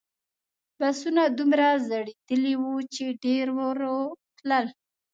بسونه دومره زړیدلي وو چې ډېر ورو تلل.